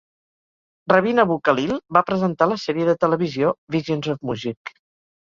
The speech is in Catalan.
Rabin Abou-Khalil va presentar la sèrie de televisió "Visions of Music".